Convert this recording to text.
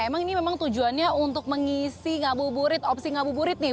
emang ini memang tujuannya untuk mengisi ngabu burit opsi ngabu burit nih